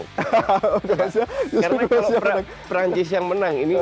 karena kalau perancis yang menang